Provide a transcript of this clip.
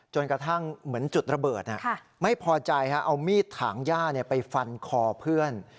จนกระทั่งเหมือนจุดระเบิดไม่พอใจเอามีดถางย่าไปฟันคอเพื่อน